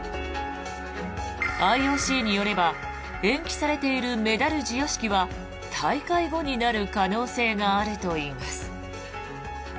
ＩＯＣによれば延期されているメダル授与式は大会後になる可能性があるといいます。